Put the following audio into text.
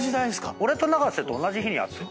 俺と長瀬と同じ日に会ってる。